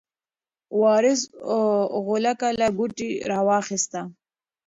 وارث غولکه له کوټې راواخیسته.